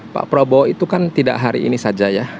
pak prabowo itu kan tidak hari ini saja ya